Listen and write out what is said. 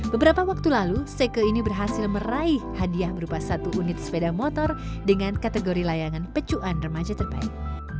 beberapa waktu lalu seke ini berhasil meraih hadiah berupa satu unit sepeda motor dengan kategori layangan pecuan remaja terbaik